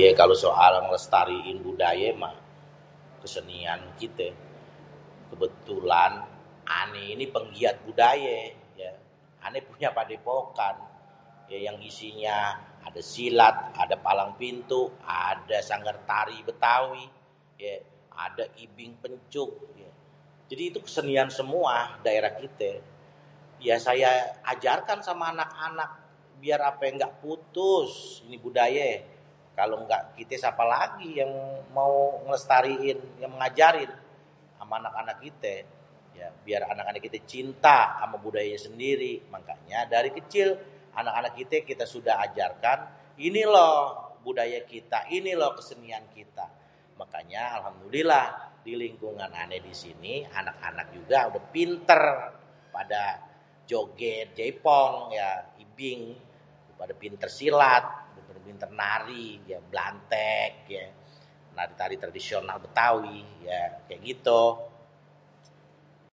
"yé kalo soal ngelestariin budayé mah kesenian kitê kebetulan ané ini penggiat budayé.. ané punya padepokan.. ya yang isinya ada silat, ada palang pintu, ada sanggar tari bêtawi, ada ibing pencuk.. jadi itu kesenian semua daerah kité.. ya saya ajarkan sama anak-anak biar apé? ngga putus seni budayé.. kalo ngga kité siapa lagi yang mau ngelestariin yang mau ngajarin ama anak-anak kité.. biar anak-anak kité cinta ama budaya sendiri mangkanya dari kecil anak-anak kita sudah kita ajarkan ""ini loh budaya kita..ini loh kesenian kita"".. makanya alhamdulillah di lingkungan ané di sini anak-anak juga udah pinter pada jogét jaipong.. ya ibing.. pada pinter silat.. pada pinter nari, yaa blanték, tari-tari tradisional bêtawi.. ya kayak gitu.."